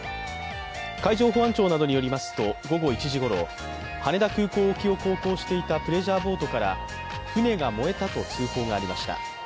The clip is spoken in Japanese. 海上保安庁などによりますと午後１時ごろ羽田空港沖を航行していたプレジャーボートから船が燃えたと通報がありました。